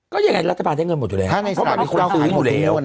ก็ยังไงรัฐบาลได้เงินหมดอยู่แล้วเนี้ย